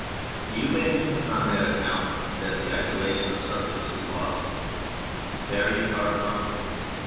Do you imagine upon that account that the isolation of Sussex is lost? Very far from it.